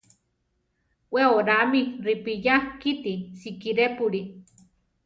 We oráame ripiya kíti sikirépuli.